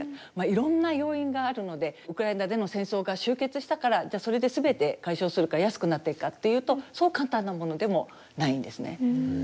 いろんな要因があるのでウクライナでの戦争が終結したからそれで全て解消するか安くなっていくかっていうとそう簡単なものでもないんですね。